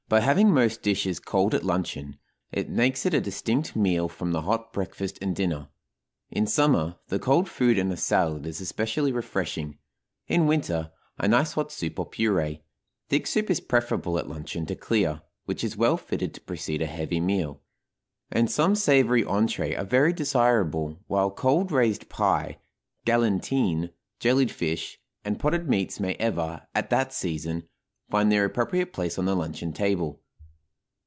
By having most dishes cold at luncheon, it makes it a distinct meal from the hot breakfast and dinner. In summer, the cold food and a salad is especially refreshing; in winter, a nice hot soup or purée thick soup is preferable at luncheon to clear, which is well fitted to precede a heavy meal and some savory entrée are very desirable, while cold raised pie, galantine, jellied fish, and potted meats may ever, at that season, find their appropriate place on the luncheon table.